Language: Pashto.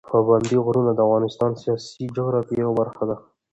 پابندي غرونه د افغانستان د سیاسي جغرافیه یوه برخه ده.